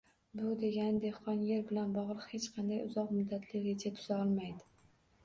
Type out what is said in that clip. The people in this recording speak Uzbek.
Bu degani dehqon yer bilan bog‘liq hech qanday uzoq muddatli reja tuza olmaydi